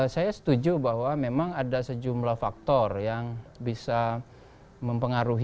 saya setuju bahwa memang ada sejumlah faktor yang bisa mempengaruhi